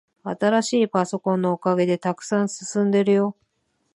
新しいパソコンのおかげで、さくさく進んでるよ。